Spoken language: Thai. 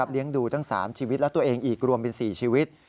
เลี้ยงดูทั้ง๓ชีวิตและตัวเองอีกรวมเป็น๔ชีวิต